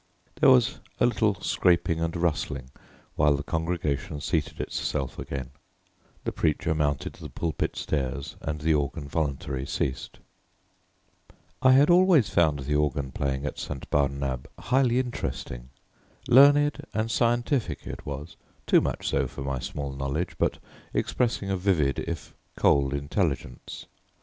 There was a little scraping and rustling while the congregation seated itself again; the preacher mounted the pulpit stairs, and the organ voluntary ceased. I had always found the organ playing at St. Barnabé highly interesting. Learned and scientific it was, too much so for my small knowledge, but expressing a vivid if cold intelligence.